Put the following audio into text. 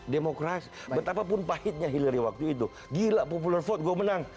demokrasi betapapun pahitnya hillary waktu itu gila popular vote gue menang